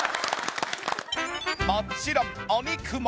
もちろんお肉も！